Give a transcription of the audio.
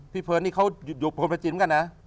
พี่เฟิร์ดนี่เขาอยู่ประจินกันนะ